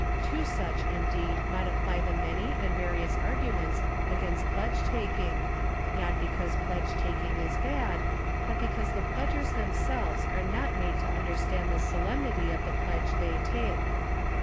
To such, indeed, might apply the many and various arguments against pledge taking, not because pledge taking is bad, but because the pledgers themselves are not made to understand the solemnity of the pledge they take.